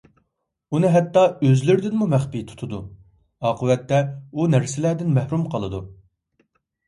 ئۇنى ھەتتا ئۆزلىرىدىنمۇ مەخپى تۇتىدۇ. ئاقىۋەتتە ئۇ نەرسىلەردىن مەھرۇم قالىدۇ.